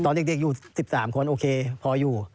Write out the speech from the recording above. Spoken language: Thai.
ตอนเด็กอยู่๑๓คนโอเคพออยู่